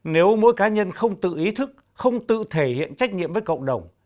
nếu mỗi cá nhân không tự ý thức không tự thể hiện trách nhiệm với cộng đồng